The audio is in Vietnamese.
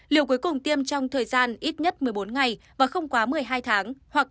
liều cuối cùng tiêm trong thời gian ít nhất một mươi bốn ngày và không quá một mươi hai tháng hoặc